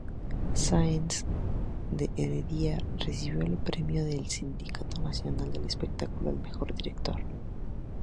Sáenz de Heredia recibió el Premio del Sindicato Nacional del Espectáculo al mejor director.